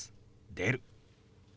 「出る」。